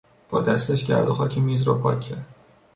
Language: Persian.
با دستش گرد و خاک میز را پاک کرد.